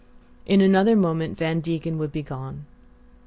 In another moment Van Degen would be gone.